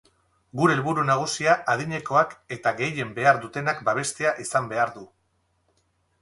Gure helburu nagusia adinekoak eta gehien behar dutenak babestea izan behar du.